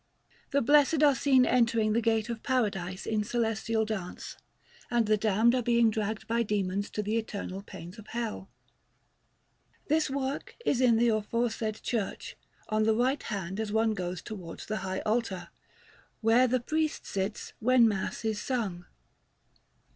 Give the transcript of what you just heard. The blessed are seen entering the gate of Paradise in celestial dance, and the damned are being dragged by demons to the eternal pains of Hell. This work is in the aforesaid church, on the right hand as one goes towards the high altar, where the priest sits when Mass is sung.